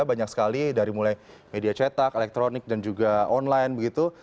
banyak sekali dari mulai media cetak elektronik dan juga online begitu